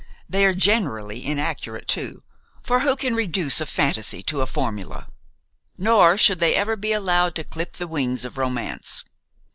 They are generally inaccurate too; for who can reduce a fantasy to a formula? Nor should they ever be allowed to clip the wings of romance.